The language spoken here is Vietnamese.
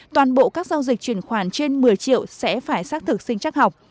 toàn bộ các giao dịch chuyển khoản trên một mươi triệu sẽ phải xác thực sinh chắc học